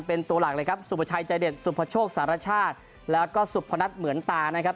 เป็นตัวหลักเลยครับสุประชัยใจเด็ดสุภโชคสารชาติแล้วก็สุพนัทเหมือนตานะครับ